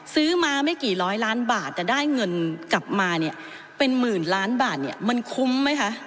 ซื้อมาไม่กี่ร้อยล้านบาทแต่ได้เงินกลับมาเนี่ยเป็นหมื่นล้านบาทเนี่ยมันคุ้มไหมคะ